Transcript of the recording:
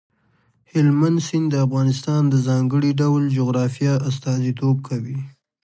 هلمند سیند د افغانستان د ځانګړي ډول جغرافیه استازیتوب کوي.